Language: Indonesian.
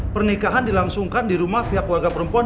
pernikahan dilangsungkan di rumah pihak keluarga perempuan